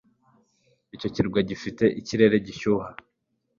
Icyo kirwa gifite ikirere gishyuha.